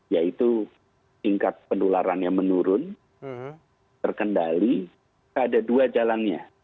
yaitu tingkat pendularan yang menurun terkendali ada dua jalannya